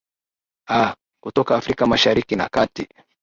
aa kutoka afrika mashariki na kati